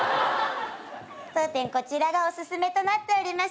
当店こちらがおすすめとなっております。